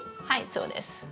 はいそうです。